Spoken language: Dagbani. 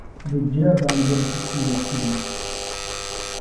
Bɛ gbila baanjiriti ti ya Kpilo,